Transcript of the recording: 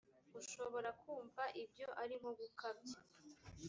ushobora kumva ibyo ari nko gukabya